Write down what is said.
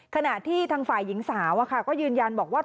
ขณะที่ทางฝ่ายหญิงสาวก็ยืนยันบอกว่า